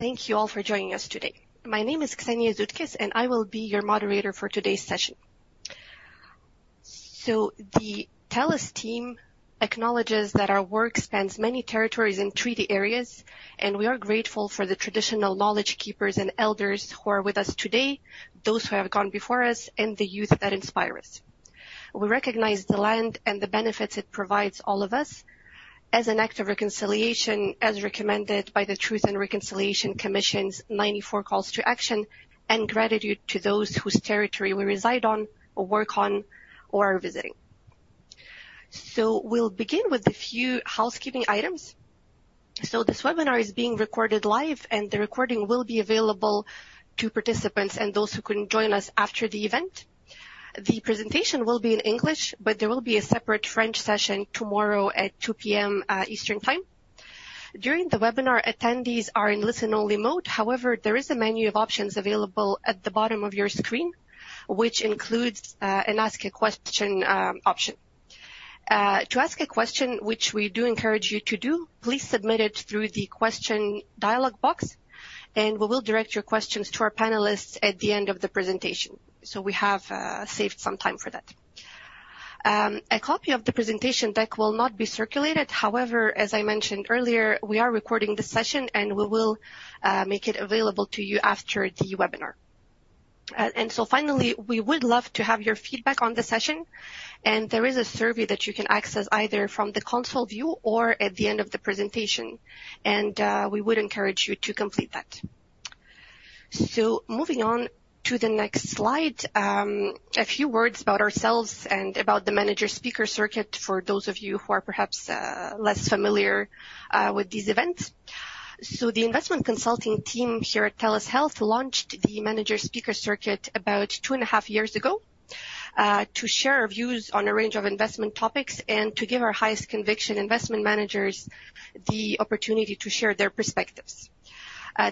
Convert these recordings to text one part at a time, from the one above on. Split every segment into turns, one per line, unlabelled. Thank you all for joining us today. My name is Ksenia Zutkis. I will be your moderator for today's session. The TELUS team acknowledges that our work spans many territories and treaty areas. We are grateful for the traditional knowledge keepers and elders who are with us today, those who have gone before us, and the youth that inspire us. We recognize the land and the benefits it provides all of us as an act of reconciliation, as recommended by the Truth and Reconciliation Commission's 94 Calls to Action. Gratitude to those whose territory we reside on or work on or are visiting. We'll begin with a few housekeeping items. This webinar is being recorded live. The recording will be available to participants and those who couldn't join us after the event. The presentation will be in English. There will be a separate French session tomorrow at 2:00 P.M. Eastern Time. During the webinar, attendees are in listen-only mode. There is a menu of options available at the bottom of your screen, which includes an ask a question option. To ask a question, which we do encourage you to do, please submit it through the question dialog box, and we will direct your questions to our panelists at the end of the presentation. We have saved some time for that. A copy of the presentation deck will not be circulated. As I mentioned earlier, we are recording this session, and we will make it available to you after the webinar. Finally, we would love to have your feedback on the session. There is a survey that you can access either from the console view or at the end of the presentation. We would encourage you to complete that. Moving on to the next slide, a few words about ourselves and about the Manager Speaker Circuit for those of you who are perhaps less familiar with these events. The investment consulting team here at TELUS Health launched the Manager Speaker Circuit about 2.5 years ago to share our views on a range of investment topics and to give our highest conviction investment managers the opportunity to share their perspectives.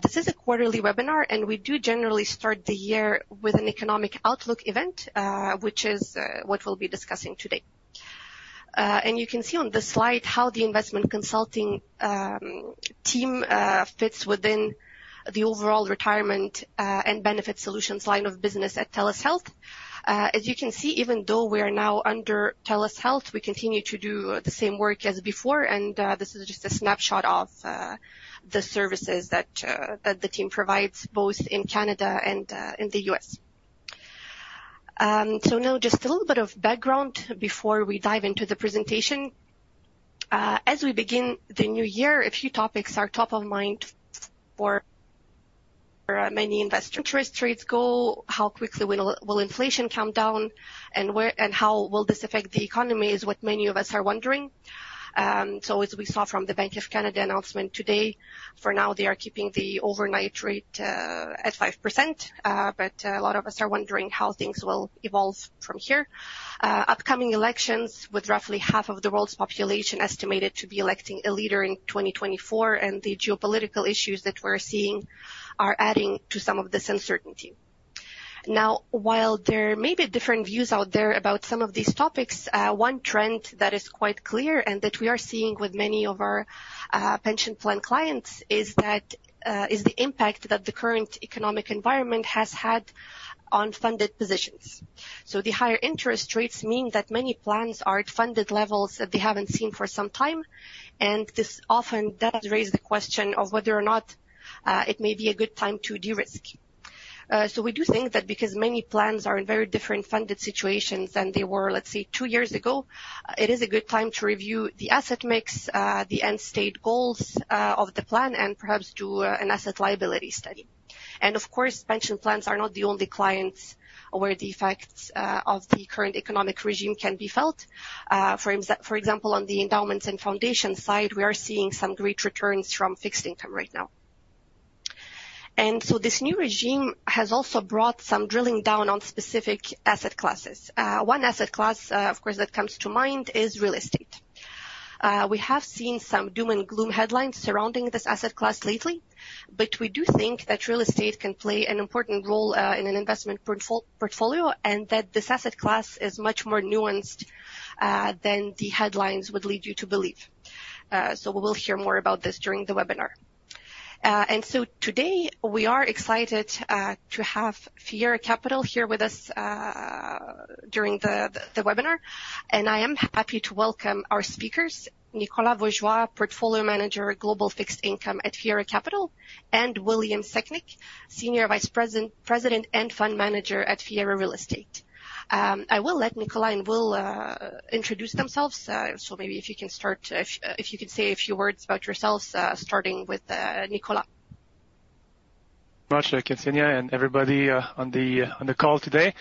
This is a quarterly webinar, and we do generally start the year with an economic outlook event, which is what we'll be discussing today. You can see on the slide how the investment consulting team fits within the overall retirement and benefit solutions line of business at TELUS Health. As you can see, even though we are now under TELUS Health, we continue to do the same work as before. This is just a snapshot of the services that the team provides both in Canada and in the US. Now just a little bit of background before we dive into the presentation. As we begin the new year, a few topics are top of mind for many investors. Interest rates goal, how quickly will inflation come down, and how will this affect the economy is what many of us are wondering. As we saw from the Bank of Canada announcement today, for now, they are keeping the overnight rate at 5%. A lot of us are wondering how things will evolve from here. Upcoming elections, with roughly half of the world's population estimated to be electing a leader in 2024, and the geopolitical issues that we're seeing are adding to some of this uncertainty. Now, while there may be different views out there about some of these topics, one trend that is quite clear and that we are seeing with many of our pension plan clients is that is the impact that the current economic environment has had on funded positions. The higher interest rates mean that many plans are at funded levels that they haven't seen for some time, and this often does raise the question of whether or not it may be a good time to de-risk. We do think that because many plans are in very different funded situations than they were, let's say, two years ago, it is a good time to review the asset mix, the end state goals of the plan and perhaps do an asset liability study. Of course, pension plans are not the only clients where the effects of the current economic regime can be felt. For example, on the endowments and foundation side, we are seeing some great returns from fixed income right now. This new regime has also brought some drilling down on specific asset classes. One asset class, of course, that comes to mind is real estate. We have seen some doom and gloom headlines surrounding this asset class lately, but we do think that real estate can play an important role in an investment portfolio, and that this asset class is much more nuanced than the headlines would lead you to believe. We will hear more about this during the webinar. Today, we are excited to have Fiera Capital here with us during the webinar. I am happy to welcome our speakers, Nicolas Vaugeois, Portfolio Manager, Global Fixed Income at Fiera Capital, and William Secnik, Senior Vice President and Fund Manager at Fiera Real Estate. I will let Nicolas and Will introduce themselves. Maybe if you can start, if you could say a few words about yourselves, starting with Nicolas.
Much, Ksenia and everybody on the call today.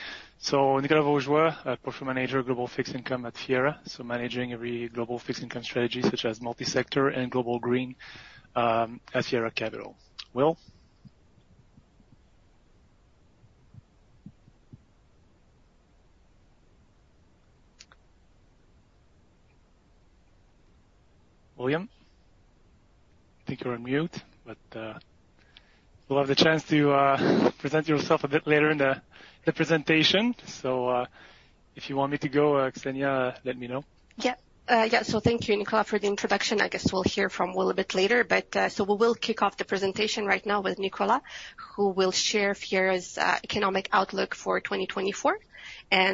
Nicolas Vaugeois, Portfolio Manager, Global Fixed Income at Fiera Capital, managing every global fixed income strategy, such as multi-sector and Global Green, at Fiera Capital. Will? William? I think you're on mute, but you'll have the chance to present yourself a bit later in the presentation. If you want me to go, Ksenia, let me know.
Yeah. Yeah. Thank you, Nicolas, for the introduction. I guess we'll hear from Will a bit later, but we will kick off the presentation right now with Nicolas, who will share Fiera's economic outlook for 2024.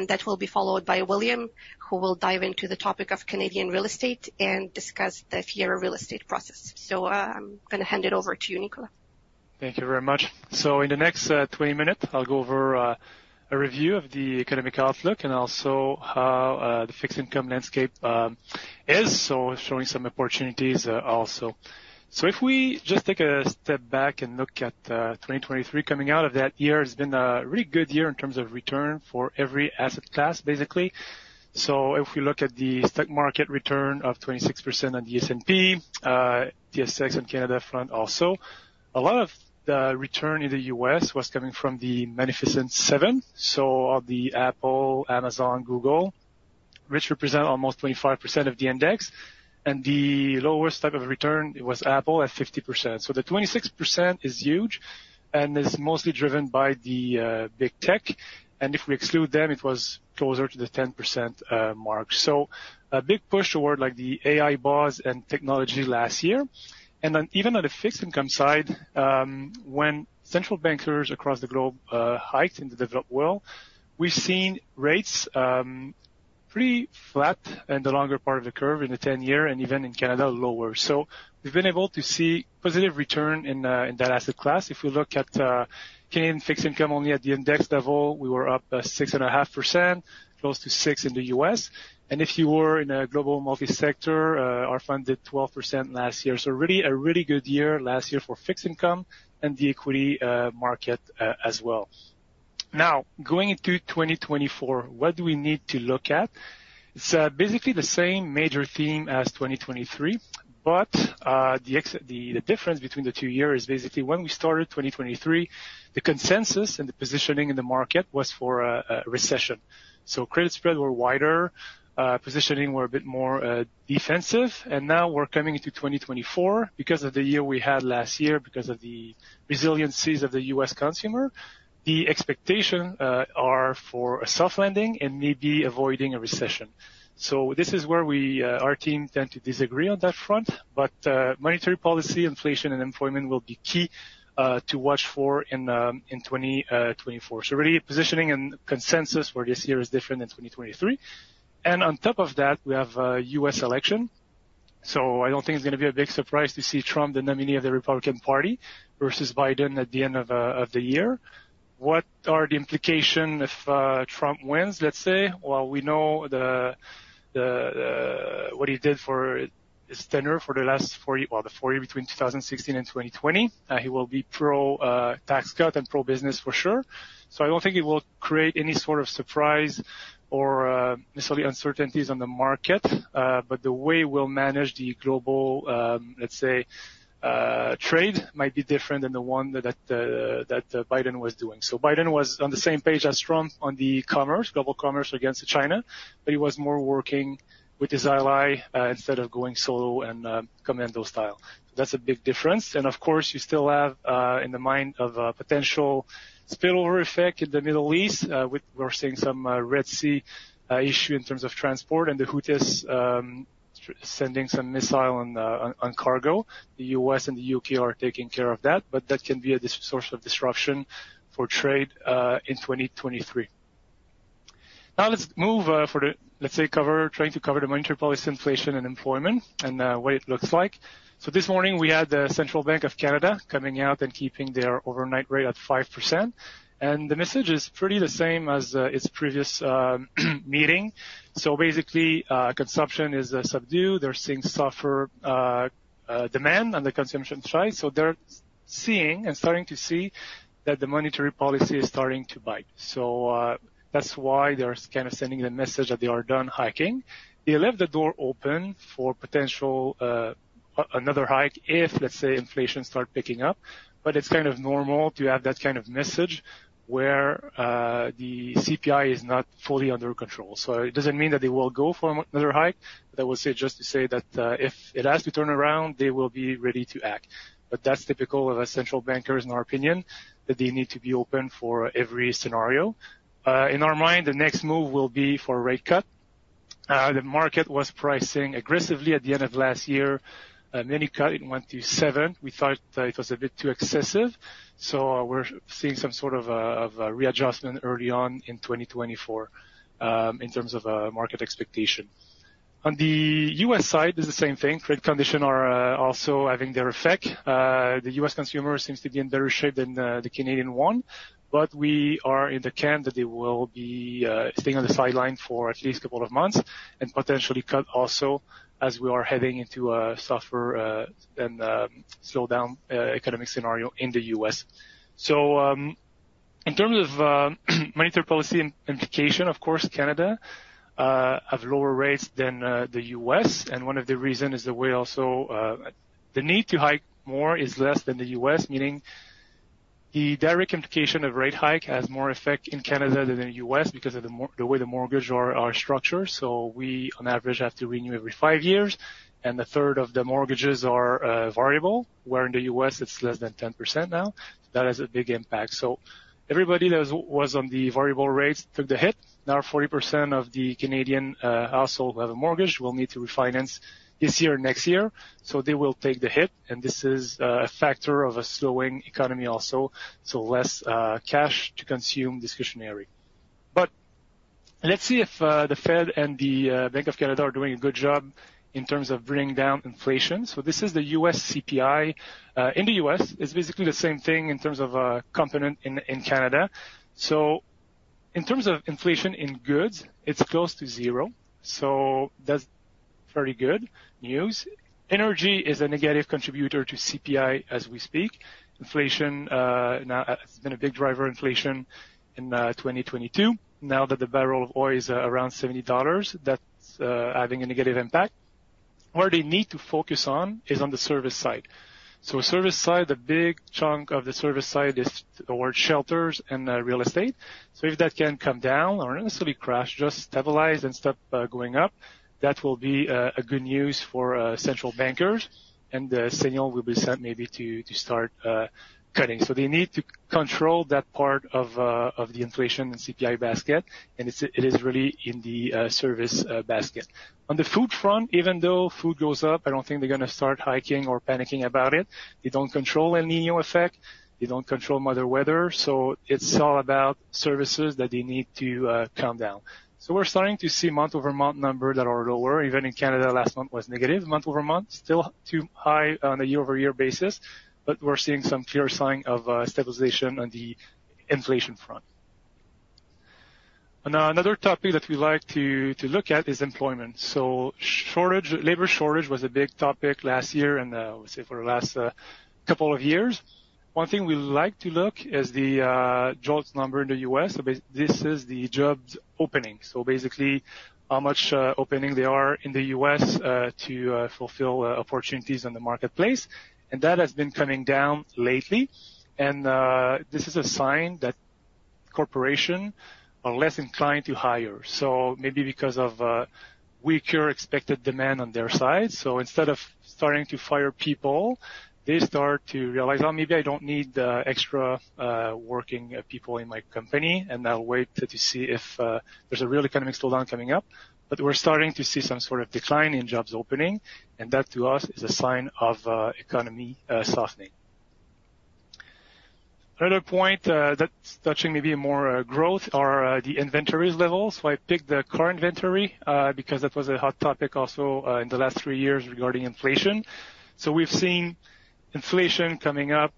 That will be followed by William, who will dive into the topic of Canadian real estate and discuss the Fiera Real Estate process. I'm gonna hand it over to you, Nicolas.
Thank you very much. In the next 20 minutes, I'll go over a review of the economic outlook and also how the fixed income landscape is showing some opportunities also. If we just take a step back and look at 2023 coming out of that year, it's been a really good year in terms of return for every asset class, basically. If we look at the stock market return of 26% on the S&P, TSX and Canada front also, a lot of the return in the US was coming from the Magnificent Seven, so of the Apple, Amazon, Google, which represent almost 25% of the index. The lowest type of return was Apple at 50%. The 26% is huge and is mostly driven by the big tech. If we exclude them, it was closer to the 10% mark. A big push toward like the AI buzz and technology last year. Even on the fixed income side, when central bankers across the globe, hiked in the developed world, we've seen rates pretty flat in the longer part of the curve in the 10-year and even in Canada, lower. We've been able to see positive return in that asset class. If we look at Canadian fixed income only at the index level, we were up 6.5%, close to 6% in the US If you were in a Global Multi-Sector, our fund did 12% last year. Really, a really good year last year for fixed income and the equity market as well. Now, going into 2024, what do we need to look at? It's basically the same major theme as 2023, but the difference between the two years is basically when we started 2023, the consensus and the positioning in the market was for a recession. Credit spreads were wider, positioning were a bit more defensive. Now we're coming into 2024 because of the year we had last year, because of the resiliencies of the US consumer. The expectation are for a soft landing and maybe avoiding a recession. This is where we, our team tend to disagree on that front. Monetary policy, inflation, and employment will be key to watch for in 2024. Really positioning and consensus for this year is different than 2023. On top of that, we have a US election. I don't think it's gonna be a big surprise to see Trump, the nominee of the Republican Party, versus Biden at the end of the year. What are the implication if Trump wins, let's say? Well, we know the what he did for his tenure for the last four years between 2016 and 2020. He will be pro tax cut and pro-business for sure. I don't think it will create any sort of surprise or necessarily uncertainties on the market. The way we'll manage the global, let's say, trade might be different than the one that Biden was doing. Biden was on the same page as Trump on the commerce, global commerce against China, but he was more working with his ally instead of going solo and commando style. That's a big difference. Of course, you still have in the mind of a potential spillover effect in the Middle East. We're seeing some Red Sea issue in terms of transport and the Houthis sending some missile on cargo. The US and the UK are taking care of that, but that can be a source of disruption for trade in 2023. Let's move for the, let's say, cover, trying to cover the monetary policy, inflation and employment and what it looks like. This morning, we had the Central Bank of Canada coming out and keeping their overnight rate at 5%. The message is pretty the same as its previous meeting. Basically, consumption is subdued. They're seeing softer demand on the consumption side. They're seeing and starting to see that the monetary policy is starting to bite. That's why they're kind of sending the message that they are done hiking. They left the door open for potential another hike if, let's say, inflation start picking up. It's kind of normal to have that kind of message where the CPI is not fully under control. It doesn't mean that they will go for another hike. That was just to say that if it has to turn around, they will be ready to act. That's typical of a central banker in our opinion, that they need to be open for every scenario. In our mind, the next move will be for a rate cut. The market was pricing aggressively at the end of last year. Many cut, it went to 7. We thought that it was a bit too excessive. We're seeing some sort of a readjustment early on in 2024, in terms of market expectation. On the US side, it's the same thing. Credit conditions are also having their effect. The US consumer seems to be in better shape than the Canadian one, but we are in the camp that they will be staying on the sideline for at least a couple of months and potentially cut also as we are heading into a softer and slowdown economic scenario in the US In terms of monetary policy implication, of course, Canada have lower rates than the US. One of the reason is that we also the need to hike more is less than the US, meaning the direct implication of rate hike has more effect in Canada than in US because of the way the mortgage are structured. We on average have to renew every 5 years, and a third of the mortgages are variable, where in the US it's less than 10% now. That has a big impact. Everybody that was on the variable rates took the hit. Forty percent of the Canadian household who have a mortgage will need to refinance this year or next year, so they will take the hit. This is a factor of a slowing economy also, so less cash to consume discretionary. Let's see if the Fed and the Bank of Canada are doing a good job in terms of bringing down inflation. This is the US CPI. In the US, it's basically the same thing in terms of component in Canada. In terms of inflation in goods, it's close to zero, that's very good news. Energy is a negative contributor to CPI as we speak. Inflation now has been a big driver inflation in 2022. Now that the barrel of oil is around 70 dollars, that's having a negative impact. Where they need to focus on is on the service side. Service side, the big chunk of the service side is toward shelters and real estate. If that can come down or necessarily crash, just stabilize and stop going up, that will be a good news for central bankers, and the signal will be sent maybe to start cutting. They need to control that part of the inflation and CPI basket, and it is really in the service basket. On the food front, even though food goes up, I don't think they're gonna start hiking or panicking about it. They don't control El Niño effect. They don't control mother weather. It's all about services that they need to calm down. We're starting to see month-over-month numbers that are lower. Even in Canada last month was negative month-over-month, still too high on a year-over-year basis, but we're seeing some clear sign of stabilization on the inflation front. Another topic that we like to look at is employment. Labor shortage was a big topic last year and, I would say for the last couple of years. One thing we like to look is the jobs number in the US This is the jobs opening. Basically how much opening they are in the US to fulfill opportunities in the marketplace. That has been coming down lately. This is a sign that corporation are less inclined to hire. Maybe because of weaker expected demand on their side. Instead of starting to fire people, they start to realize, "Oh, maybe I don't need extra working people in my company, and I'll wait to see if there's a real economic slowdown coming up." We're starting to see some sort of decline in jobs opening, and that to us is a sign of economy softening. Another point that's touching maybe more growth are the inventories levels. I picked the car inventory because that was a hot topic also in the last three years regarding inflation. we've seen inflation coming up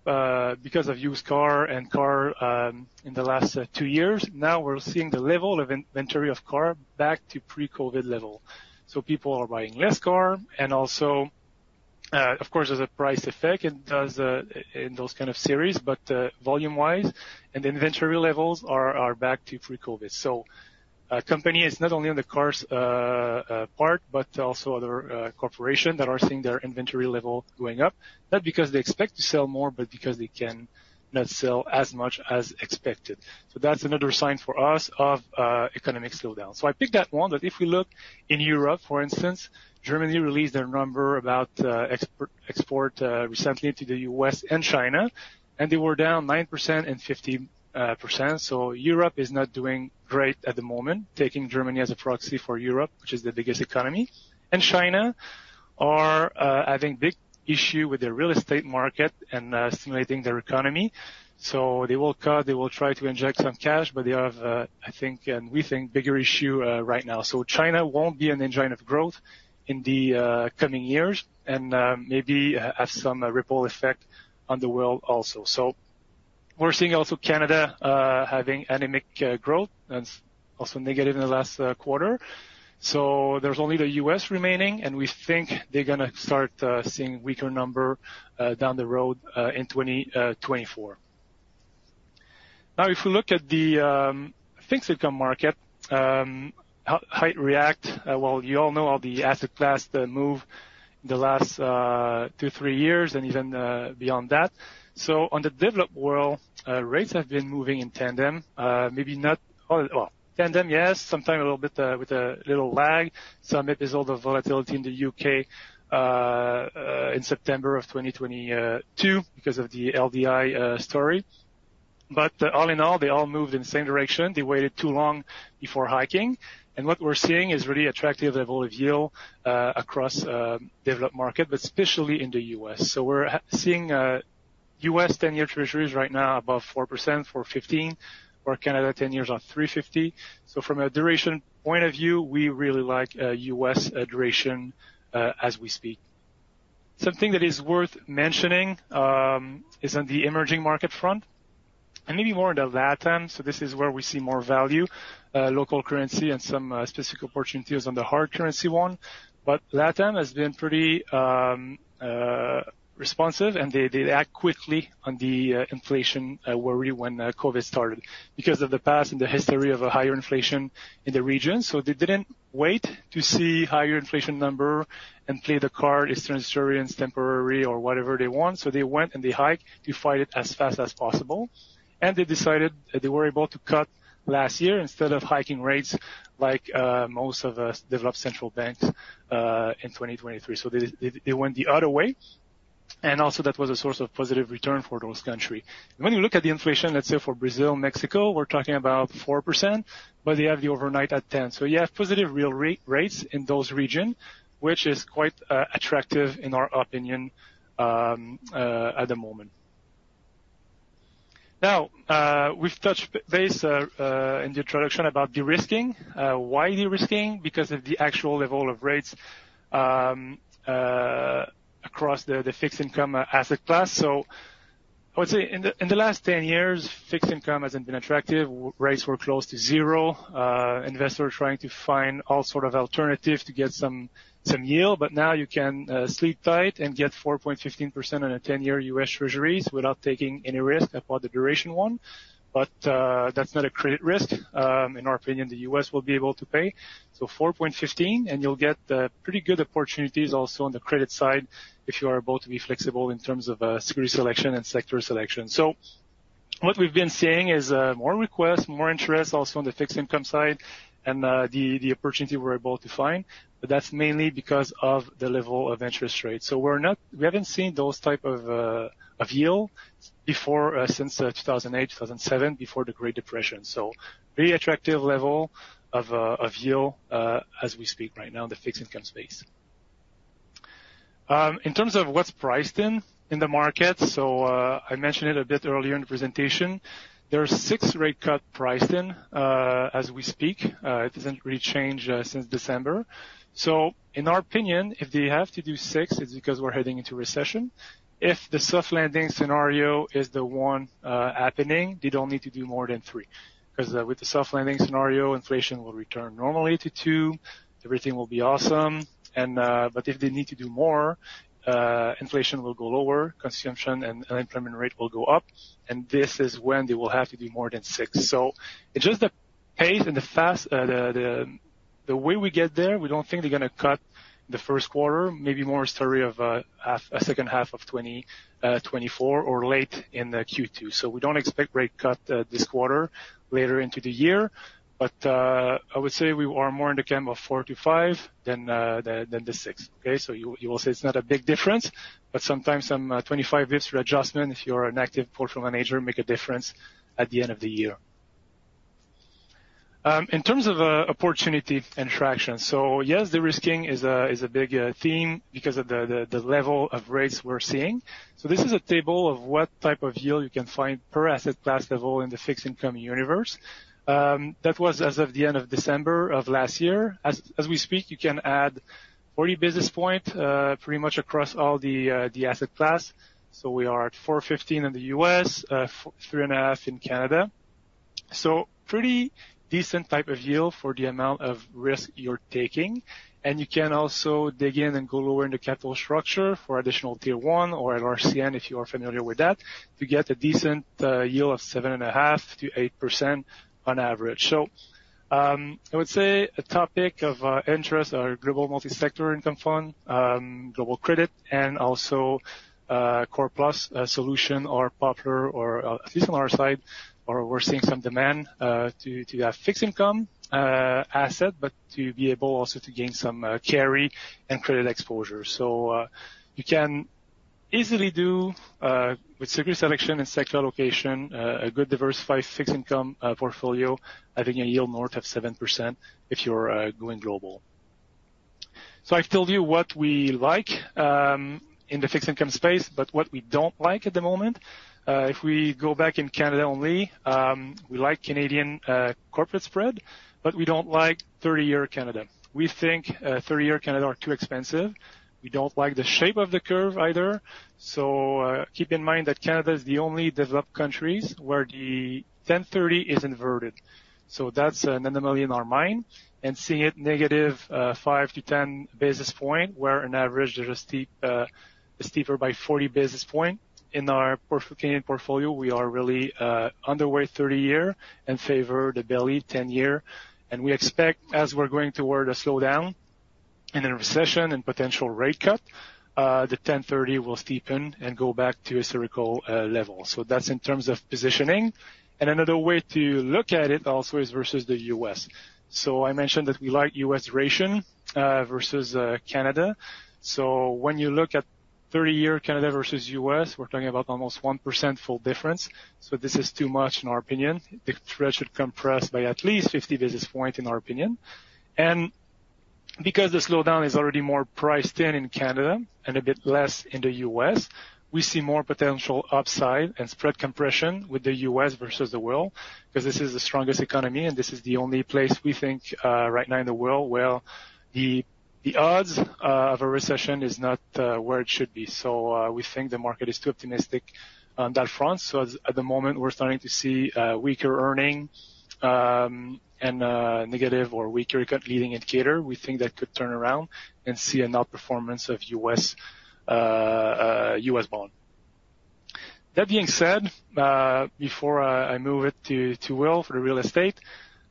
because of used car and car in the last 2 years. Now we're seeing the level of inventory of car back to pre-COVID level. people are buying less car and also, of course, there's a price effect. It does in those kind of series, but volume-wise and the inventory levels are back to pre-COVID. company is not only on the cars' part, but also other corporation that are seeing their inventory level going up, not because they expect to sell more, but because they cannot sell as much as expected. that's another sign for us of economic slowdown. I picked that one, but if we look in Europe, for instance, Germany released a number about export recently to the US and China, and they were down 9% and 15%. Europe is not doing great at the moment, taking Germany as a proxy for Europe, which is the biggest economy. China are having big issue with their real estate market and stimulating their economy. They will cut, they will try to inject some cash, but they have, I think, and we think, bigger issue right now. China won't be an engine of growth in the coming years and maybe have some ripple effect on the world also. We're seeing also Canada having anemic growth. That's also negative in the last quarter. There's only the US remaining, and we think they're going to start seeing weaker number down the road in 2024. Now, if you look at the fixed income market, how it react, well, you all know how the asset class move the last 2, 3 years and even beyond that. On the developed world, rates have been moving in tandem, Well, tandem, yes, sometime a little bit with a little lag. Maybe there's all the volatility in the UK in September of 2022 because of the LDI story. All in all, they all moved in the same direction. They waited too long before hiking. What we're seeing is really attractive level of yield across developed market, but especially in the US. We're seeing US 10-year treasuries right now above 4%, 4.15%, where Canada 10-year on 3.50%. From a duration point of view, we really like US duration as we speak. Something that is worth mentioning is on the emerging market front and maybe more on the LatAm. This is where we see more value, local currency and some specific opportunities on the hard currency one. LatAm has been pretty responsive, and they act quickly on the inflation worry when COVID started because of the past and the history of a higher inflation in the region. They didn't wait to see higher inflation number and play the card it's transitory and temporary or whatever they want. They went and they hiked to fight it as fast as possible. They decided that they were able to cut last year instead of hiking rates like most of us developed central banks in 2023. They went the other way. Also that was a source of positive return for those country. When you look at the inflation, let's say for Brazil, Mexico, we're talking about 4%, but they have the overnight at 10. You have positive real rates in those region, which is quite attractive in our opinion at the moment. We've touched base in the introduction about de-risking. Why de-risking? Because of the actual level of rates across the fixed income asset class. I would say in the last 10 years, fixed income hasn't been attractive. Rates were close to zero. Investors were trying to find all sort of alternative to get some yield. Now you can sleep tight and get 4.15% on a 10-year US Treasuries without taking any risk about the duration one. That's not a credit risk. In our opinion, the US will be able to pay. 4.15, and you'll get pretty good opportunities also on the credit side if you are able to be flexible in terms of security selection and sector selection. What we've been seeing is more requests, more interest also on the fixed income side and the opportunity we're about to find. That's mainly because of the level of interest rates. We're not... We haven't seen those type of yield before since 2008, 2007, before the Great Depression. Pretty attractive level of yield as we speak right now in the fixed income space. In terms of what's priced in the market, I mentioned it a bit earlier in the presentation. There are 6 rate cut priced in as we speak. It doesn't really change since December. In our opinion, if they have to do 6, it's because we're heading into recession. If the soft landing scenario is the one happening, they don't need to do more than 3. With the soft landing scenario, inflation will return normally to 2%, everything will be awesome, and if they need to do more, inflation will go lower, consumption and unemployment rate will go up, and this is when they will have to do more than 6%. Just the pace and the fast the way we get there, we don't think they're gonna cut the first quarter, maybe more story of second half of 2024 or late in the Q2. We don't expect rate cut this quarter, later into the year. I would say we are more in the camp of 4%-5% than the 6%. Okay? You will say it's not a big difference, but sometimes some 25 basis points readjustment, if you're an active portfolio manager, make a difference at the end of the year. In terms of opportunity and traction. Yes, de-risking is a big theme because of the level of rates we're seeing. This is a table of what type of yield you can find per asset class level in the fixed income universe. That was as of the end of December of last year. As we speak, you can add 40 basis points pretty much across all the asset class. We are at 4.15% in the US, 3.5% in Canada. Pretty decent type of yield for the amount of risk you're taking. You can also dig in and go lower in the capital structure for Additional Tier 1 or LRCN, if you are familiar with that, to get a decent yield of 7.5%-8% on average. I would say a topic of interest are Global Multi-Sector Income Fund, global credit, and also core plus solution or popular or at least on our side, or we're seeing some demand to have fixed income asset, but to be able also to gain some carry and credit exposure. You can easily do with security selection and sector allocation a good diversified fixed income portfolio, having a yield north of 7% if you're going global. I've told you what we like in the fixed income space. What we don't like at the moment, if we go back in Canada only, we like Canadian corporate spread, we don't like 30-year Canada. We think 30-year Canada are too expensive. We don't like the shape of the curve either. Keep in mind that Canada is the only developed countries where the 10-30 is inverted. That's an anomaly in our mind. Seeing it negative 5-10 basis point, where on average there's a steep steeper by 40 basis point. In our Canadian portfolio, we are really underweight 30-year and favor the belly 10-year. We expect, as we're going toward a slowdown and a recession and potential rate cut, the 10-30 will steepen and go back to historical level. That's in terms of positioning. Another way to look at it also is versus the US. I mentioned that we like US ration versus Canada. When you look at 30-year Canada versus US, we're talking about almost 1% full difference. This is too much, in our opinion. The spread should compress by at least 50 basis points, in our opinion. Because the slowdown is already more priced in in Canada and a bit less in the US, we see more potential upside and spread compression with the US versus the world, because this is the strongest economy and this is the only place we think right now in the world where the odds of a recession is not where it should be. We think the market is too optimistic on that front. At the moment we're starting to see weaker earning and negative or weaker leading indicator. We think that could turn around and see an outperformance of US. US bond. That being said, before I move it to Will for the real estate.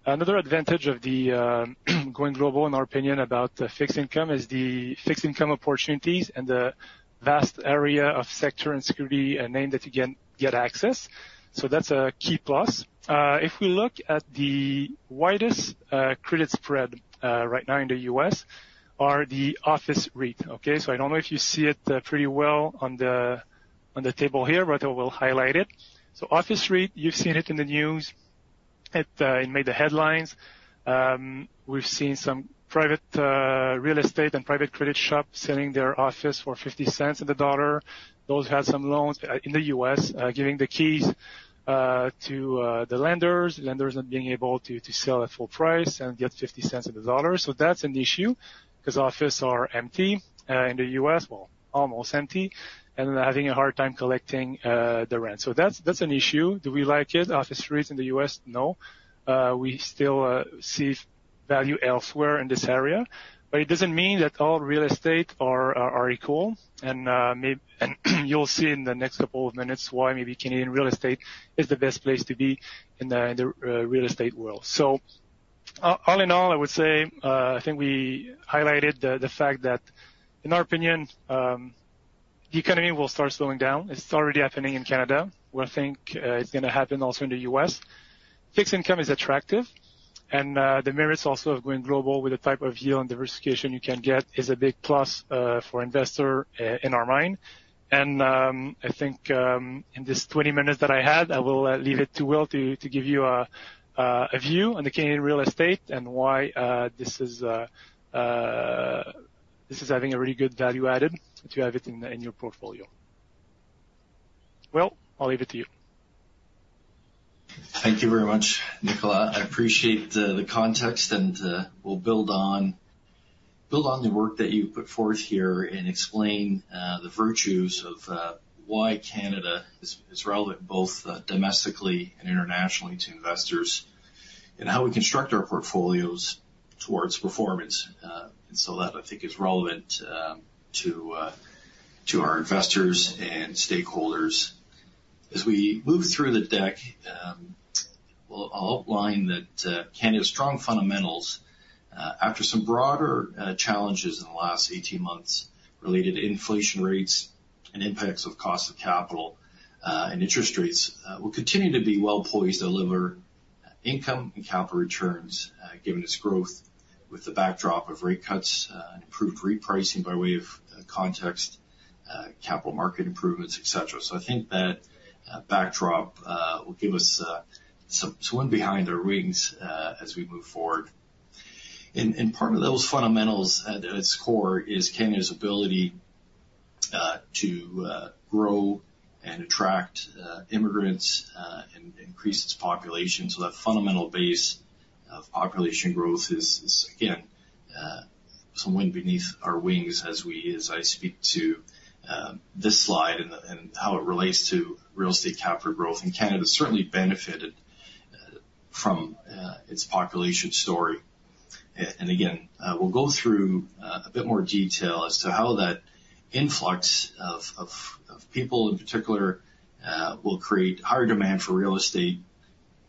Another advantage of the going global, in our opinion, about fixed income is the fixed income opportunities and the vast area of sector and security and name that you can get access. That's a key plus. If we look at the widest credit spread right now in the US. Are the office REIT, okay? I don't know if you see it pretty well on the table here, but I will highlight it. Office REIT, you've seen it in the news. It made the headlines. We've seen some private real estate and private credit shops selling their office for $0.50 on the dollar. Those had some loans in the US giving the keys to the lenders. Lenders not being able to sell at full price and get $0.50 on the dollar. That's an issue because offices are empty in the US, well, almost empty, and they're having a hard time collecting the rent. That's an issue. Do we like it, office REITs in the US? No. We still see value elsewhere in this area. It doesn't mean that all real estate are equal. You'll see in the next couple of minutes why maybe Canadian real estate is the best place to be in the real estate world. all in all, I would say, I think we highlighted the fact that in our opinion, the economy will start slowing down. It's already happening in Canada. We think, it's gonna happen also in the US. Fixed income is attractive, and the merits also of going global with the type of yield and diversification you can get is a big plus for investor in our mind. I think, in this 20 minutes that I had, I will leave it to Will to give you a view on the Canadian real estate and why this is having a really good value added to have it in your portfolio. Will, I'll leave it to you.
Thank you very much, Nicolas. I appreciate the context and we'll build on the work that you've put forth here and explain the virtues of why Canada is relevant both domestically and internationally to investors, and how we construct our portfolios towards performance. That I think is relevant to our investors and stakeholders. As we move through the deck, I'll outline that Canada's strong fundamentals, after some broader challenges in the last 18 months related to inflation rates and impacts of cost of capital, and interest rates, will continue to be well poised to deliver income and capital returns, given its growth with the backdrop of rate cuts, and improved repricing by way of context, capital market improvements, et cetera. I think that backdrop will give us some wind behind the wings as we move forward. Part of those fundamentals at its core is Canada's ability to grow and attract immigrants and increase its population. That fundamental base of population growth is again some wind beneath our wings as I speak to this slide and how it relates to real estate capital growth. Canada certainly benefited from its population story. Again, we'll go through a bit more detail as to how that influx of people in particular will create higher demand for real estate.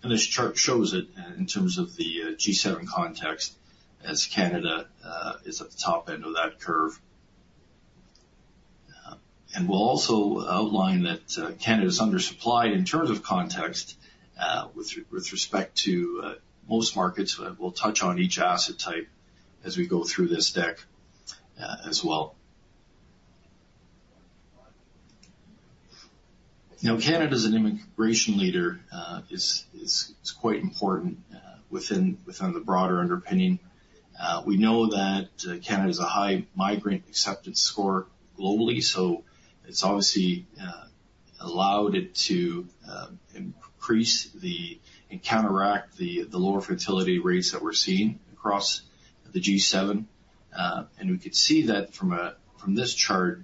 This chart shows it in terms of the G7 context as Canada is at the top end of that curve. We'll also outline that Canada is undersupplied in terms of context with respect to most markets. We'll touch on each asset type as we go through this deck as well. Canada as an immigration leader is quite important within the broader underpinning. We know that Canada has a high migrant acceptance score globally, so it's obviously allowed it to increase and counteract the lower fertility rates that we're seeing across the G7. We could see that from this chart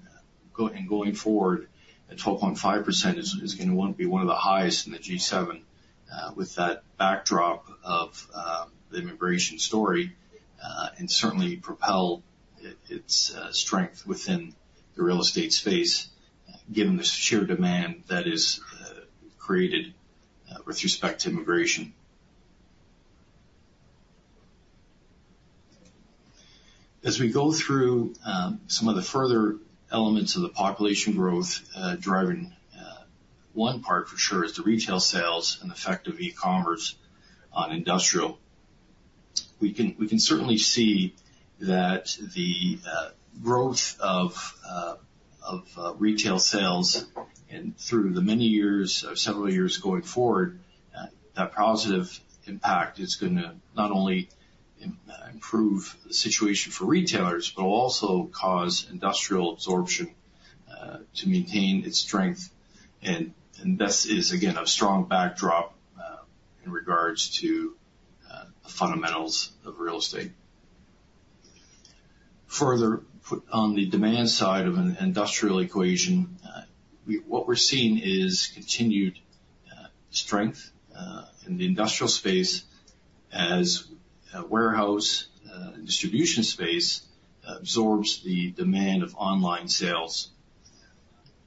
going forward, that 12.5% is gonna be one of the highest in the G7, with that backdrop of the immigration story, and certainly propel its strength within the real estate space given the sheer demand that is created with respect to immigration. As we go through some of the further elements of the population growth, driving one part for sure is the retail sales and effect of e-commerce on industrial. We can certainly see that the growth of retail sales and through the many years or several years going forward, that positive impact is gonna not only improve the situation for retailers, but will also cause industrial absorption to maintain its strength. This is again, a strong backdrop in regards to the fundamentals of real estate. Further, on the demand side of an industrial equation, what we're seeing is continued strength in the industrial space as warehouse and distribution space absorbs the demand of online sales.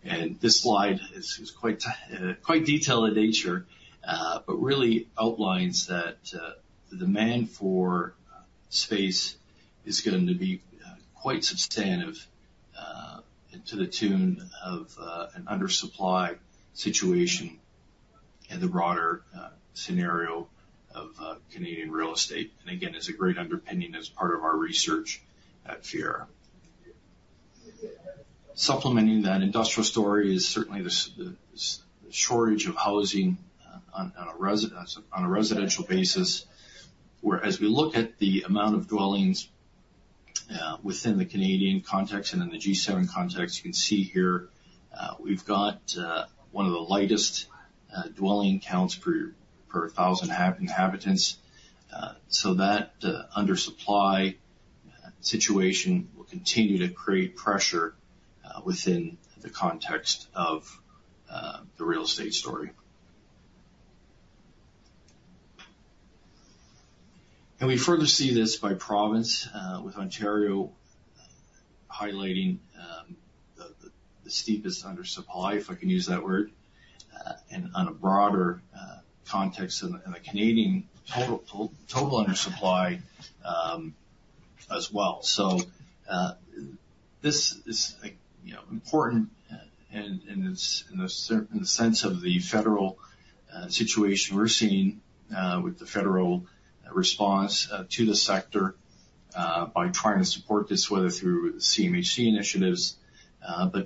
This slide is quite detailed in nature, but really outlines that the demand for space is going to be quite substantive. To the tune of an undersupply situation in the broader scenario of Canadian real estate. Again, it's a great underpinning as part of our research at Fiera. Supplementing that industrial story is certainly the shortage of housing on a residential basis. Where as we look at the amount of dwellings within the Canadian context and in the G7 context, you can see here, we've got one of the lightest dwelling counts per 1,000 inhabitants. So that undersupply situation will continue to create pressure within the context of the real estate story. We further see this by province with Ontario highlighting the steepest undersupply, if I can use that word. On a broader context in the Canadian total undersupply as well. This is, like, you know, important in the sense of the federal situation we're seeing with the federal response to the sector by trying to support this, whether through CMHC initiatives.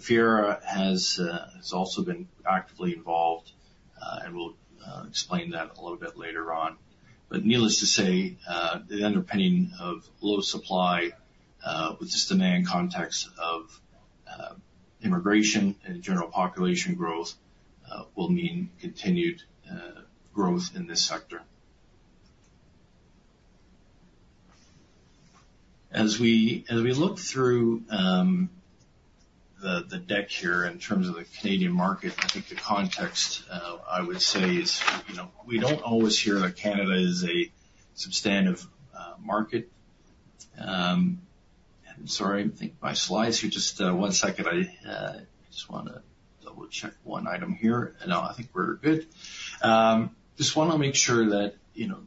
Fiera has also been actively involved, and we'll explain that a little bit later on. Needless to say, the underpinning of low supply, with this demand context of immigration and general population growth, will mean continued growth in this sector. As we look through the deck here in terms of the Canadian market, I think the context I would say is, you know, we don't always hear that Canada is a substantive market. I'm sorry. I think my slides here. Just one second. I just wanna double-check one item here. No, I think we're good. Just wanna make sure that, you know,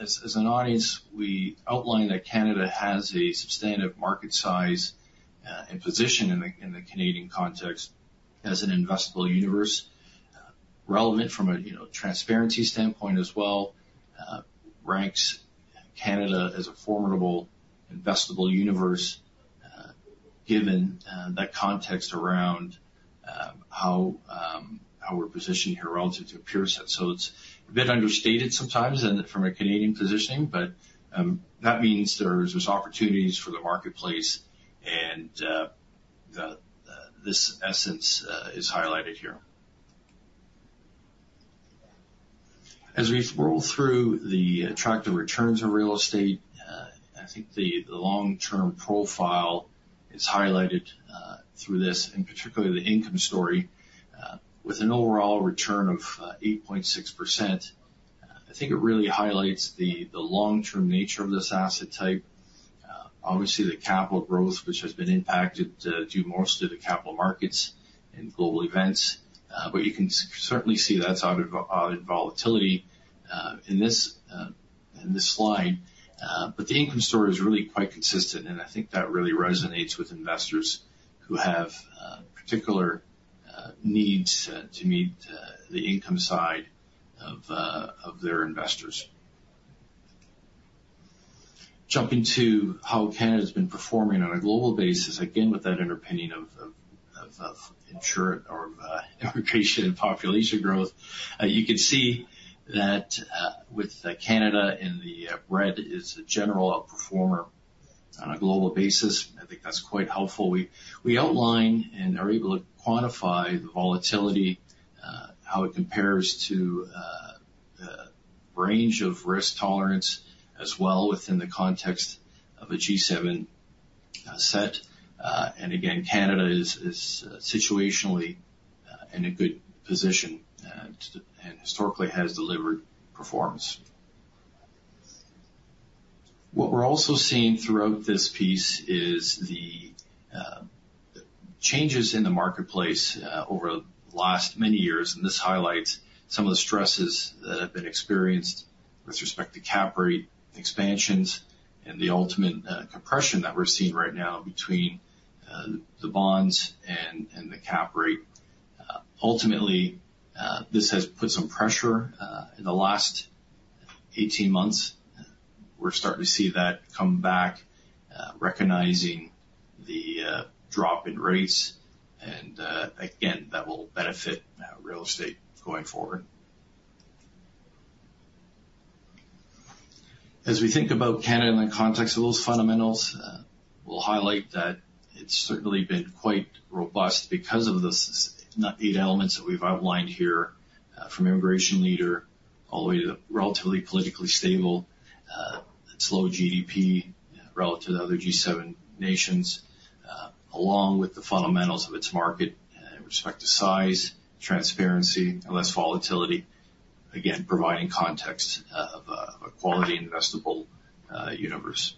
as an audience, we outline that Canada has a substantive market size and position in the Canadian context as an investable universe. Relevant from a, you know, transparency standpoint as well. Ranks Canada as a formidable investable universe, given that context around how we're positioned here relative to peers. It's a bit understated sometimes and from a Canadian positioning, but that means there's opportunities for the marketplace and the this essence is highlighted here. As we roll through the attractive returns on real estate, I think the long-term profile is highlighted through this, and particularly the income story, with an overall return of 8.6%. I think it really highlights the long-term nature of this asset type. Obviously the capital growth, which has been impacted, due mostly to capital markets and global events. You can certainly see that's out of, out of volatility in this slide. The income story is really quite consistent, and I think that really resonates with investors who have particular needs to meet the income side of their investors. Jumping to how Canada's been performing on a global basis, again, with that underpinning of immigration and population growth. You can see that with Canada in the red is a general outperformer on a global basis. I think that's quite helpful. We outline and are able to quantify the volatility, how it compares to the range of risk tolerance as well within the context of a G7 set. Again, Canada is situationally in a good position and historically has delivered performance. What we're also seeing throughout this piece is the changes in the marketplace over the last many years, and this highlights some of the stresses that have been experienced with respect to cap rate expansions and the ultimate compression that we're seeing right now between the bonds and the cap rate. Ultimately, this has put some pressure in the last 18 months. We're starting to see that come back, recognizing the drop in rates, and again, that will benefit real estate going forward. As we think about Canada in the context of those fundamentals, we'll highlight that it's certainly been quite robust because of the 8 elements that we've outlined here, from immigration leader all the way to relatively politically stable, and slow GDP relative to other G7 nations. Along with the fundamentals of its market, with respect to size, transparency, and less volatility. Again, providing context of a, of a quality investable universe.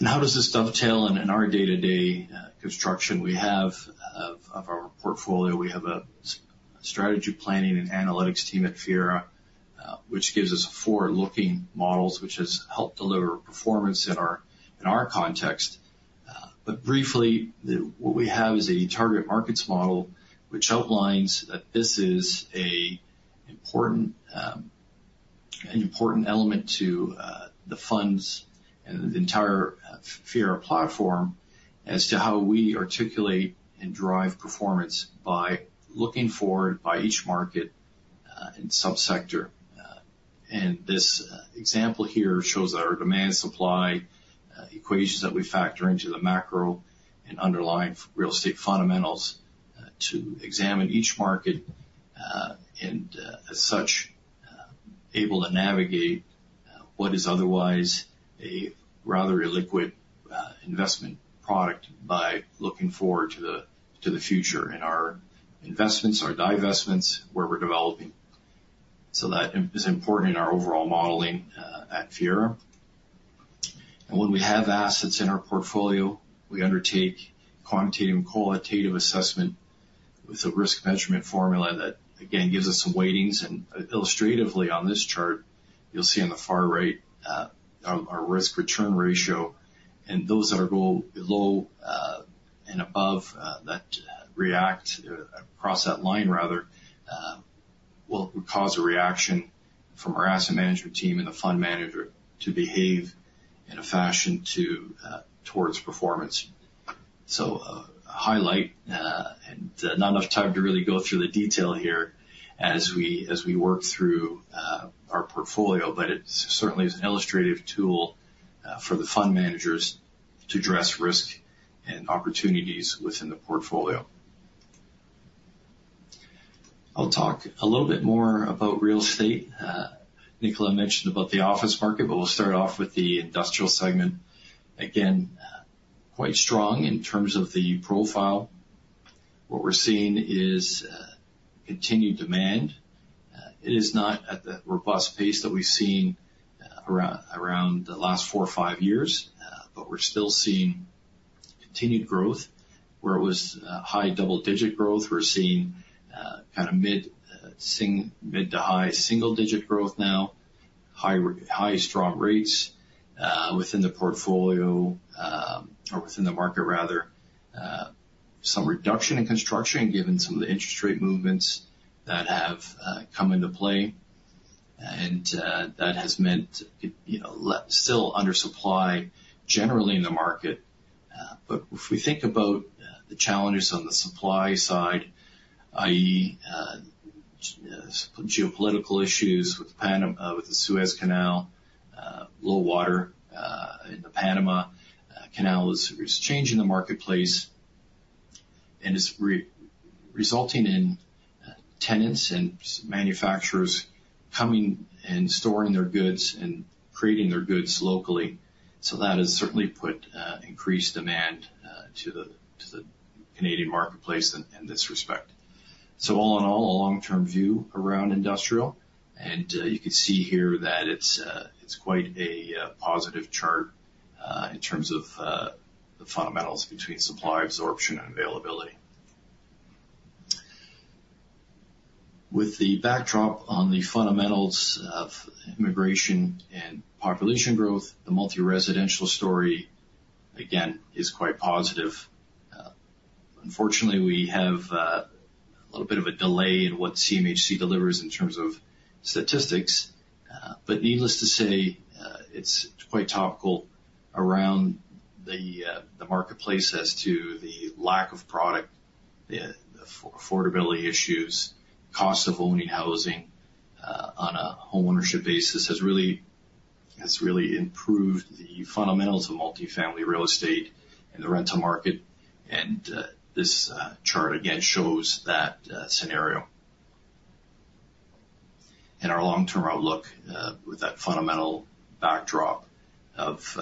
How does this dovetail in our day-to-day construction we have of our portfolio? We have a Strategy Planning Analytics team at Fiera, which gives us forward-looking models, which has helped deliver performance in our, in our context. Briefly, what we have is a Target Markets Model which outlines that this is an important element to the funds and the entire Fiera platform as to how we articulate and drive performance by looking forward by each market and subsector. This example here shows our demand supply equations that we factor into the macro and underlying real estate fundamentals to examine each market. As such, able to navigate what is otherwise a rather illiquid investment product by looking forward to the future in our investments, our divestments, where we're developing. That is important in our overall modeling at Fiera. When we have assets in our portfolio, we undertake quantitative and qualitative assessment with a risk measurement formula that again gives us some weightings. Illustratively on this chart, you'll see on the far right, our risk-return ratio and those that are go low and above that react across that line rather, will cause a reaction from our asset management team and the fund manager to behave in a fashion towards performance. A highlight, and not enough time to really go through the detail here as we, as we work through our portfolio, but it certainly is an illustrative tool for the fund managers to address risk and opportunities within the portfolio. I'll talk a little bit more about real estate. Nicolas mentioned about the office market, but we'll start off with the industrial segment. Again, quite strong in terms of the profile. What we're seeing is continued demand. It is not at the robust pace that we've seen around the last four or five years, but we're still seeing continued growth. Where it was, high double-digit growth, we're seeing, kind of mid to high single-digit growth now. High strong rates, within the portfolio, or within the market rather. Some reduction in construction given some of the interest rate movements that have come into play. That has meant it, you know, still undersupply generally in the market. But if we think about the challenges on the supply side, i.e., geopolitical issues with the Suez Canal, low water in the Panama Canal is changing the marketplace and is re-resulting in tenants and manufacturers coming and storing their goods and creating their goods locally. That has certainly put increased demand to the Canadian marketplace in this respect. All in all, a long-term view around industrial. You can see here that it's quite a positive chart in terms of the fundamentals between supply absorption and availability. With the backdrop on the fundamentals of immigration and population growth, the multi-residential story again is quite positive. Unfortunately, we have a little bit of a delay in what CMHC delivers in terms of statistics. Needless to say, it's quite topical around the marketplace as to the lack of product, the affordability issues. Cost of owning housing on a homeownership basis has really improved the fundamentals of multifamily real estate in the rental market. This chart again shows that scenario. In our long-term outlook, with that fundamental backdrop of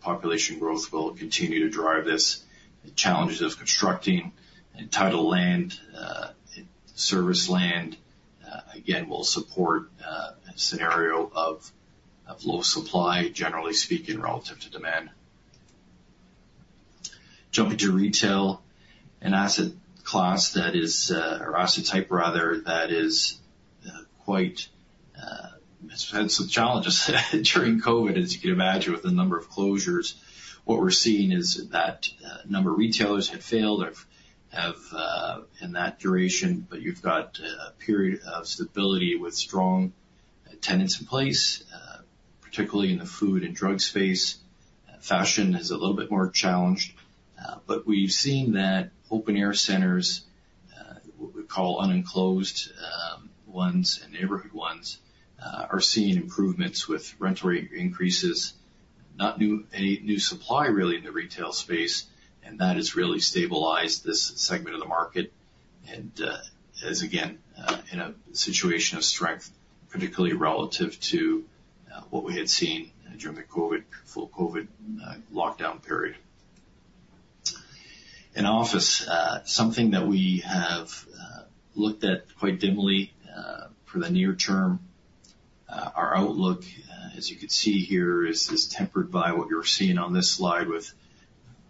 population growth will continue to drive this. The challenges of constructing and title land and service land again, will support a scenario of low supply, generally speaking, relative to demand. Jumping to retail, an asset class that is or asset type rather that is quite has had some challenges during COVID, as you can imagine, with the number of closures. What we're seeing is that a number of retailers have failed or have in that duration, but you've got a period of stability with strong tenants in place, particularly in the food and drug space. Fashion is a little bit more challenged. But we've seen that open air centers, what we call unenclosed ones and neighborhood ones are seeing improvements with rental rate increases. Not any new supply really in the retail space, and that has really stabilized this segment of the market. Is again in a situation of strength, particularly relative to what we had seen during the COVID, full COVID lockdown period. In office, something that we have looked at quite dimly for the near term. Our outlook, as you can see here, is tempered by what you're seeing on this slide with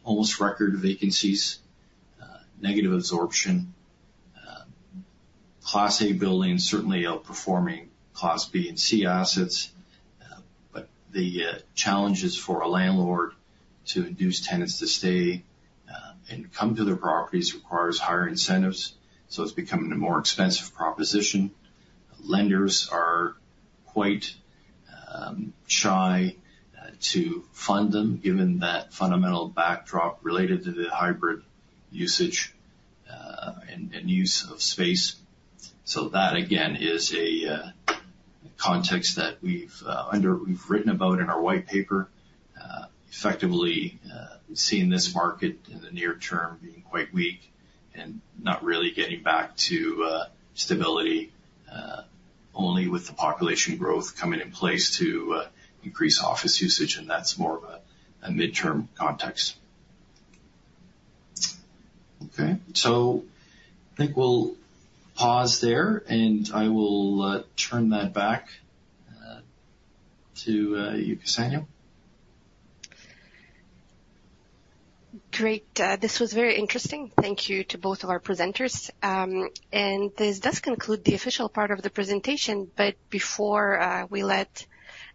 almost record vacancies, negative absorption. Class A buildings certainly outperforming Class B and C assets. The challenges for a landlord to induce tenants to stay and come to their properties requires higher incentives, so it's becoming a more expensive proposition. Lenders are quite shy to fund them given that fundamental backdrop related to the hybrid usage and use of space. That again is a context that we've written about in our white paper. effectively, seeing this market in the near term being quite weak and not really getting back to stability, only with the population growth coming in place to increase office usage, and that's more of a midterm context. Okay. I think we'll pause there, and I will turn that back to you, Ksenia.
Great. This was very interesting. Thank you to both of our presenters. This does conclude the official part of the presentation, but before we let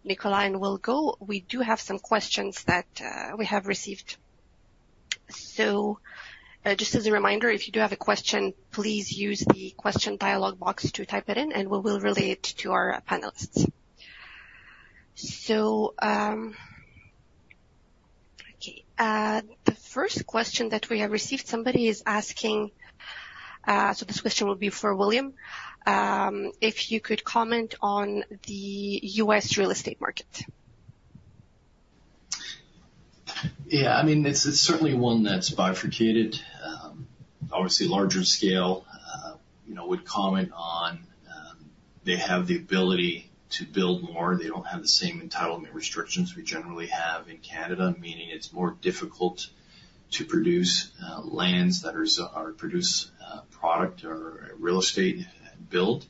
Nicola and Will go, we do have some questions that we have received. Just as a reminder, if you do have a question, please use the question dialog box to type it in, and we will relay it to our panelists. Okay. The first question that we have received, somebody is asking, this question will be for William. If you could comment on the US real estate market.
Yeah. I mean, it's certainly one that's bifurcated. obviously larger scale, you know, would comment on, they have the ability to build more. They don't have the same entitlement restrictions we generally have in Canada, meaning it's more difficult to produce, lands that are produced, product or real estate build.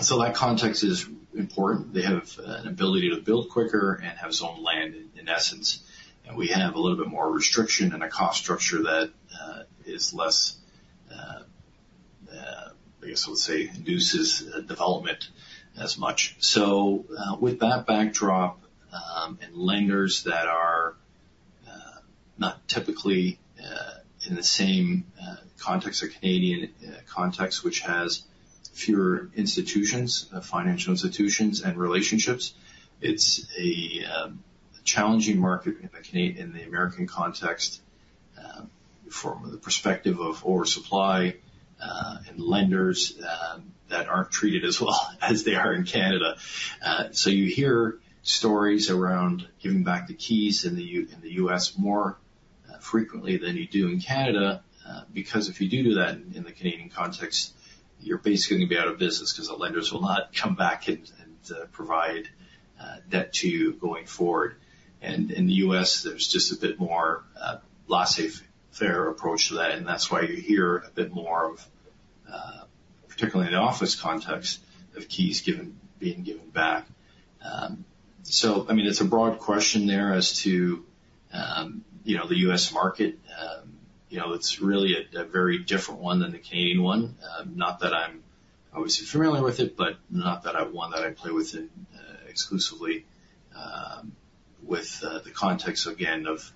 so that context is important. They have an ability to build quicker and have zone land, in essence. We have a little bit more restriction and a cost structure that, is less, I guess we'll say induces, development as much. With that backdrop, and lenders that are not typically in the same context or Canadian context, which has fewer institutions, financial institutions and relationships, it's a challenging market in the American context, from the perspective of oversupply, and lenders that aren't treated as well as they are in Canada. You hear stories around giving back the keys in the US more frequently than you do in Canada, because if you do that in the Canadian context, you're basically gonna be out of business because the lenders will not come back and provide debt to you going forward. In the US, there's just a bit more laissez-faire approach to that, and that's why you hear a bit more of particularly in the office context of keys being given back. I mean, it's a broad question there as to, you know, the US market. You know, it's really a very different one than the Canadian one. Not that I'm obviously familiar with it, but not that I'm one that I play with it exclusively, with the context again of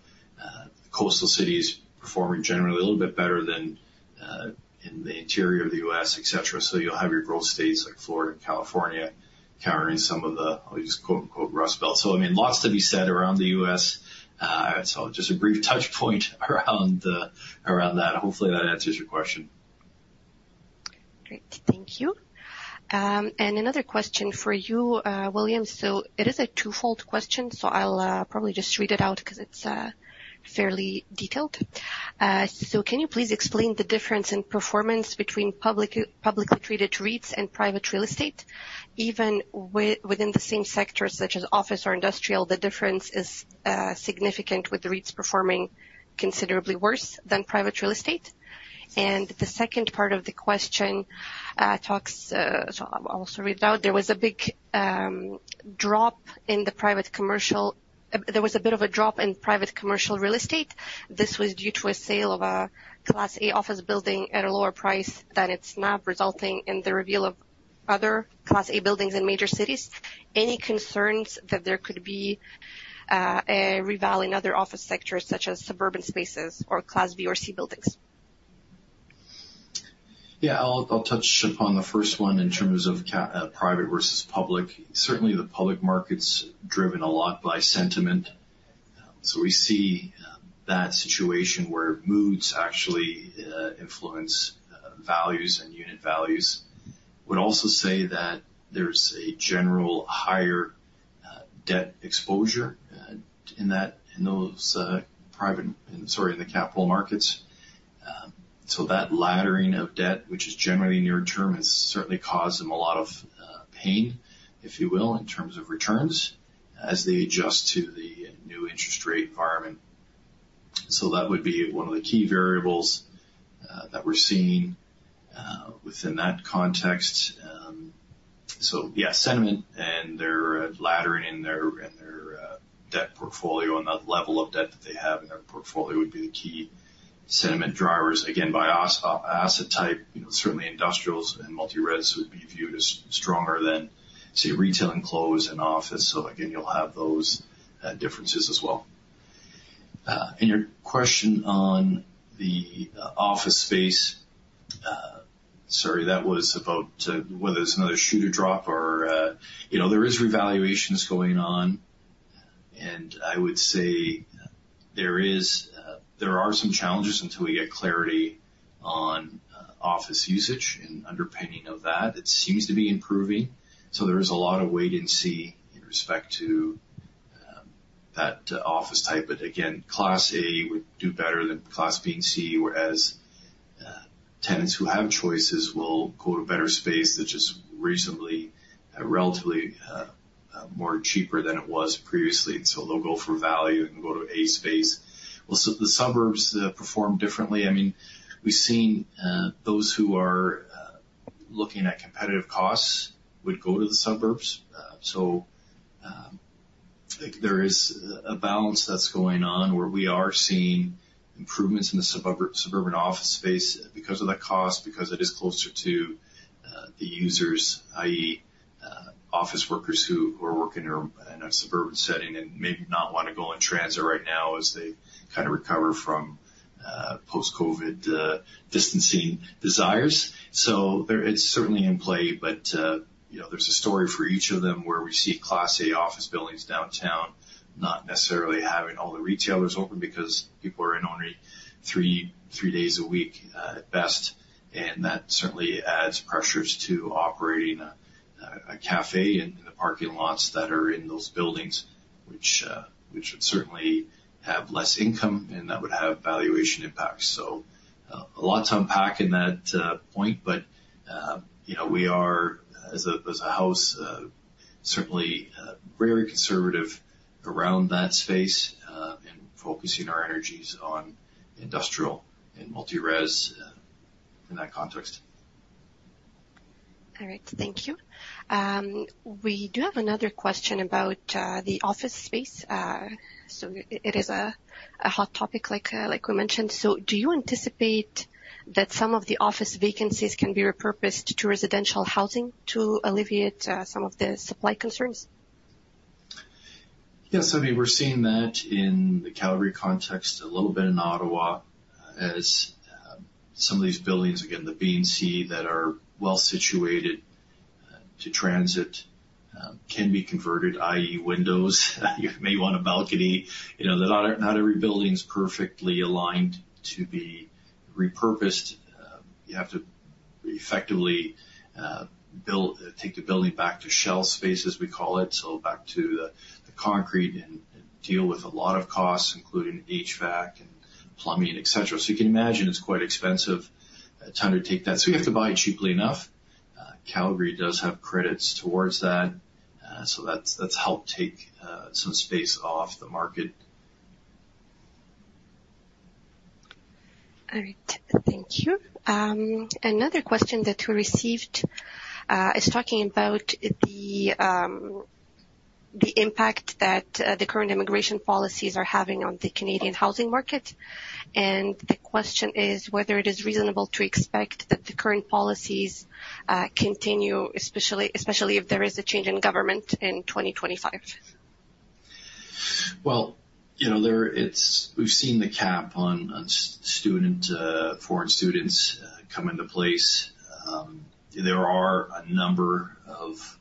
coastal cities performing generally a little bit better than in the interior of the US, et cetera. You'll have your growth states like Florida and California carrying some of the, I'll use quote-unquote, "rust belt." I mean, lots to be said around the US Just a brief touch point around that. Hopefully, that answers your question?
Great. Thank you. Another question for you, William. It is a twofold question, I'll probably just read it out because it's fairly detailed. Can you please explain the difference in performance between publicly traded REITs and private real estate? Even within the same sector such as office or industrial, the difference is significant with the REITs performing considerably worse than private real estate. The second part of the question talks, I'll also read it out. There was a bit of a drop in private commercial real estate. This was due to a sale of a Class A office building at a lower price than its NAV, resulting in the reveal of other Class A buildings in major cities. Any concerns that there could be a reval in other office sectors such as suburban spaces or Class B or Class C buildings?
I'll touch upon the first one in terms of private versus public. Certainly, the public market's driven a lot by sentiment. We see that situation where moods actually influence values and unit values. Would also say that there's a general higher debt exposure in that, in those, private, sorry, in the capital markets. That laddering of debt, which is generally near-term, has certainly caused them a lot of pain, if you will, in terms of returns as they adjust to the new interest rate environment. That would be one of the key variables that we're seeing within that context. Yeah, sentiment and their laddering in their, in their debt portfolio and the level of debt that they have in their portfolio would be the key sentiment drivers, again, by asset type. You know, certainly industrials and multi-res would be viewed as stronger than, say, retail and clothes and office. Again, you'll have those differences as well. Your question on the office space. Sorry, that was about whether it's another shoe to drop or. You know, there is revaluations going on, and I would say there is there are some challenges until we get clarity on office usage and underpinning of that. It seems to be improving, so there is a lot of wait and see in respect to that office type. Again, Class A would do better than Class B and C, whereas tenants who have choices will go to better space that just recently are relatively more cheaper than it was previously. They'll go for value and go to A space. Also the suburbs perform differently. I mean, we've seen those who are looking at competitive costs would go to the suburbs. Like, there is a balance that's going on where we are seeing improvements in the suburban office space because of that cost, because it is closer to the users, i.e., office workers who are working in a suburban setting and maybe not wanna go on transit right now as they kinda recover from post-COVID distancing desires. There is certainly in play but, you know, there's a story for each of them where we see Class A office buildings downtown not necessarily having all the retailers open because people are in only 3 days a week at best. That certainly adds pressures to operating a cafe in the parking lots that are in those buildings which would certainly have less income and that would have valuation impacts. A lot to unpack in that point but, you know, we are as a house, certainly, very conservative around that space, and focusing our energies on industrial and multi-res in that context.
All right. Thank you. We do have another question about the office space. It is a hot topic like we mentioned. Do you anticipate that some of the office vacancies can be repurposed to residential housing to alleviate some of the supply concerns?
Yes. I mean, we're seeing that in the Calgary context, a little bit in Ottawa as some of these buildings, again, the B and C that are well situated to transit, can be converted, i.e., windows. You may want a balcony. You know, not every, not every building is perfectly aligned to be repurposed. You have to effectively take the building back to shell space, as we call it, so back to the concrete and deal with a lot of costs, including HVAC and plumbing, et cetera. You can imagine it's quite expensive time to take that. You have to buy cheaply enough. Calgary does have credits towards that. That's helped take some space off the market.
All right. Thank you. Another question that we received is talking about the impact that the current immigration policies are having on the Canadian housing market. The question is whether it is reasonable to expect that the current policies continue, especially if there is a change in government in 2025.
Well, you know, we've seen the cap on foreign students come into place. There are a number of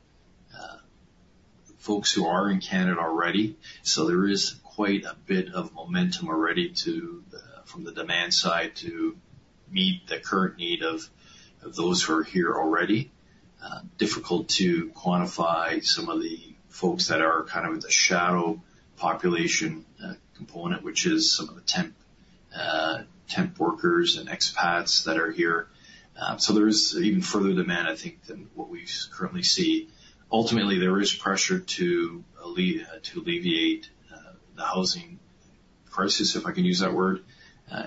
folks who are in Canada already, there is quite a bit of momentum already from the demand side to meet the current need of those who are here already. Difficult to quantify some of the folks that are kind of in the shadow population component, which is some of the temp workers and expats that are here. There is even further demand, I think, than what we currently see. Ultimately, there is pressure to alleviate the housing crisis, if I can use that word,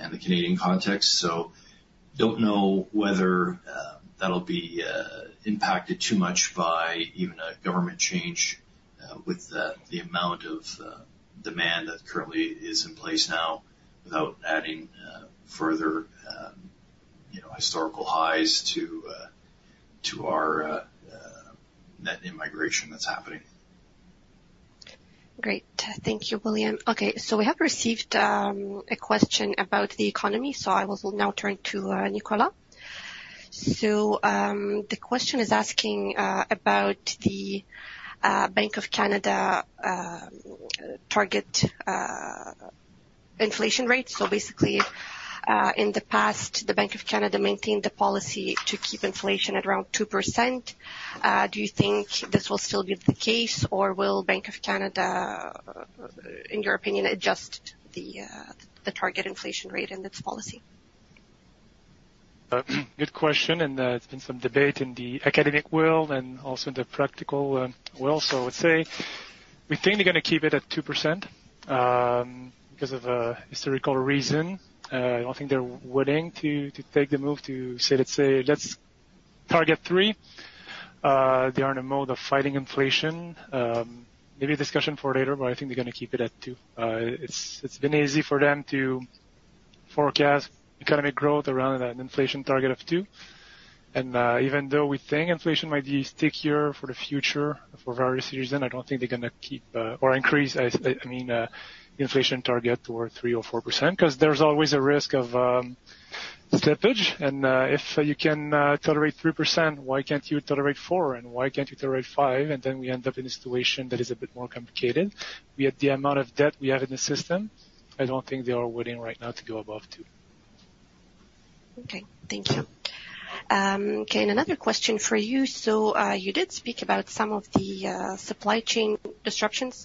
in the Canadian context. Don't know whether that'll be impacted too much by even a government change with the amount of demand that currently is in place now without adding further, you know, historical highs to our net immigration that's happening.
Great. Thank you, William. Okay, we have received a question about the economy. I will now turn to Nicola. The question is asking about the Bank of Canada target inflation rate. Basically, in the past, the Bank of Canada maintained the policy to keep inflation at around 2%. Do you think this will still be the case, or will Bank of Canada, in your opinion, adjust the target inflation rate in its policy?
Good question, and it's been some debate in the academic world and also in the practical world. I would say we think they're gonna keep it at 2%, because of historical reason. I don't think they're willing to take the move to say, let's say, "Let's target 3." They are in a mode of fighting inflation. Maybe a discussion for later, but I think they're gonna keep it at 2. It's been easy for them to forecast economic growth around an inflation target of 2. Even though we think inflation might be stickier for the future for various reasons, I don't think they're gonna keep or increase, I mean, inflation target toward 3% or 4%, 'cause there's always a risk of slippage. If you can, tolerate 3%, why can't you tolerate 4? Why can't you tolerate 5? We end up in a situation that is a bit more complicated. We have the amount of debt we have in the system, I don't think they are willing right now to go above 2.
Okay. Thank you. Okay, another question for you. You did speak about some of the supply chain disruptions.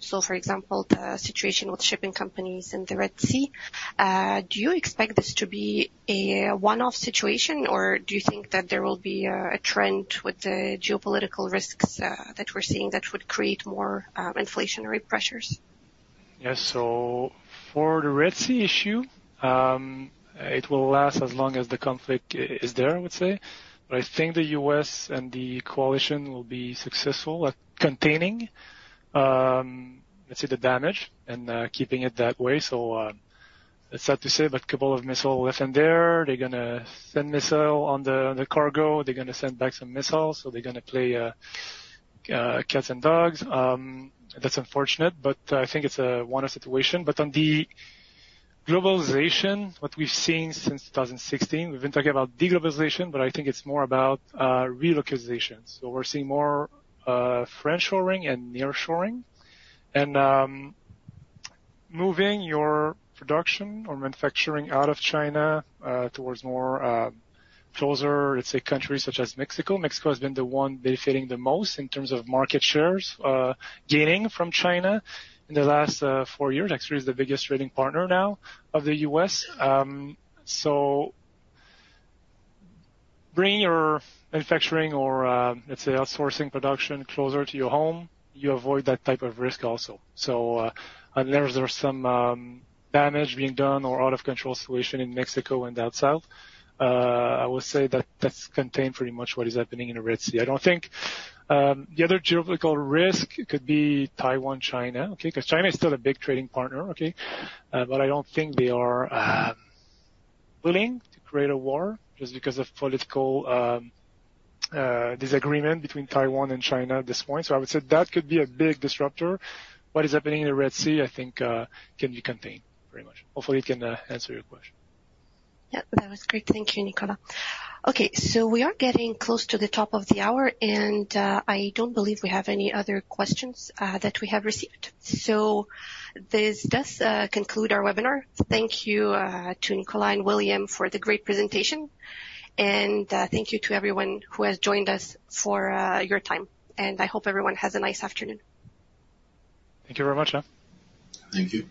For example, the situation with shipping companies in the Red Sea. Do you expect this to be a one-off situation, or do you think that there will be a trend with the geopolitical risks that we're seeing that would create more inflationary pressures?
Yes. For the Red Sea issue, it will last as long as the conflict is there, I would say. I think the US and the coalition will be successful at containing, let's say, the damage and keeping it that way. It's sad to say, but couple of missile left in there, they're gonna send missile on the cargo. They're gonna send back some missiles, so they're gonna play cats and dogs. That's unfortunate, but I think it's a one-off situation. On the globalization, what we've seen since 2016, we've been talking about deglobalization, but I think it's more about relocalization. We're seeing more friendshoring and nearshoring. Moving your production or manufacturing out of China towards more closer, let's say, countries such as Mexico. Mexico has been the one benefiting the most in terms of market shares, gaining from China in the last four years. It's the biggest trading partner now of the US. Bringing your manufacturing or, let's say, outsourcing production closer to your home, you avoid that type of risk also. Unless there's some damage being done or out of control situation in Mexico and that south, I would say that that's contained pretty much what is happening in the Red Sea. I don't think. The other geopolitical risk could be Taiwan, China, okay? 'Cause China is still a big trading partner, okay? I don't think they are willing to create a war just because of political disagreement between Taiwan and China at this point. I would say that could be a big disruptor. What is happening in the Red Sea, I think, can be contained pretty much. Hopefully, it can answer your question.
Yeah, that was great. Thank you, Nicolas. We are getting close to the top of the hour, and I don't believe we have any other questions that we have received. This does conclude our webinar. Thank you to Nicolas and William for the great presentation. Thank you to everyone who has joined us for your time. I hope everyone has a nice afternoon.
Thank you very much. Yeah.
Thank you.